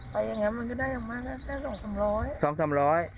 ไปยังไงมันก็ได้ออกมาได้สองสามร้อย